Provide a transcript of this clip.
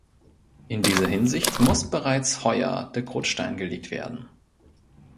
In dieser Hinsicht muss bereits heuer der Grundstein gelegt werden.